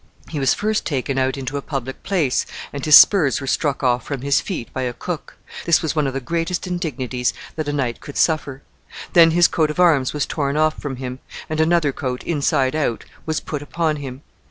He was first taken out into a public place, and his spurs were struck off from his feet by a cook. This was one of the greatest indignities that a knight could suffer. Then his coat of arms was torn off from him, and another coat, inside out, was put upon him.